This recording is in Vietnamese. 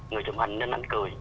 người chụp ảnh nên anh cười